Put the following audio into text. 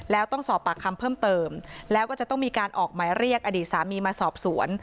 แล้วต้องสอบปากคำเพิ่มเติมแล้วก็จะต้องมีการออกหมายเรียกอดีตสามีมาสอบสวน